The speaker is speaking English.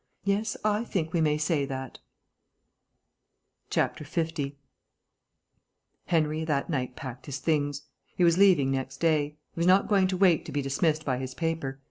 Yes; I think we may say that...." 50 Henry that night packed his things. He was leaving next day. He was not going to wait to be dismissed by his paper.